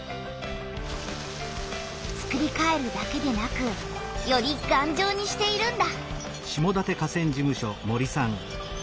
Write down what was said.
つくりかえるだけでなくよりがんじょうにしているんだ。